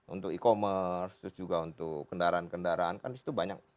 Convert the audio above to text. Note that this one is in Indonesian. untuk e commerce terus juga untuk kendaraan kendaraan kan disitu banyak